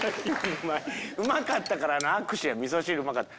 うまかったからの握手やみそ汁うまかった。